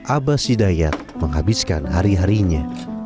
abas sidayat menghabiskan hari harinya